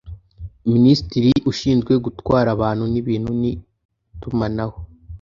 Minisitiri ushinzwe Gutwara abantu n’ibintu ni utumanaho.